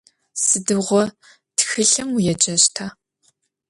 Sıdiğo txılhım vuêceşta?